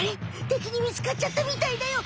敵にみつかっちゃったみたいだよ。